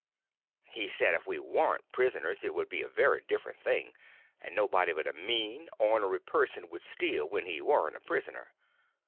He said if we warn't prisoners it would be a very different thing, and nobody but a mean, ornery person would steal when he warn't a prisoner.